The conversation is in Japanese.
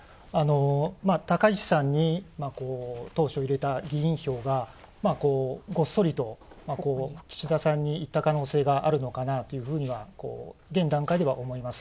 高市さんに当初入れた議員票がごっそりと岸田さんにいった可能性があるのかなというふうに現段階では思います。